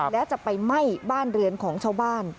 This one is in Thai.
แล้วจะไปไหม้บ้านเรือนของชาวบ้าน